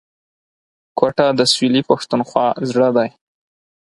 کوټه د سویلي پښتونخوا زړه دی